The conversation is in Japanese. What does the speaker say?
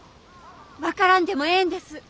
分からんでもええんです。